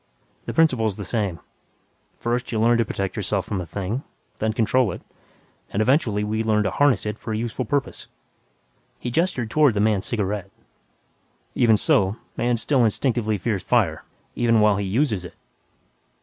The principle's the same; First you learn to protect yourself from a thing; then control it; and, eventually, we learn to 'harness' it for a useful purpose." He gestured toward the man's cigarette, "Even so, man still instinctively fears fire even while he uses it.